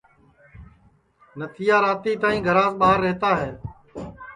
نتھیا راتی تائی گھراس ٻار رہتا ہے